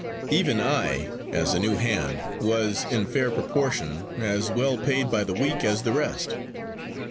Even I, as a new hand, was, in fair proportion, as well paid by the week as the rest.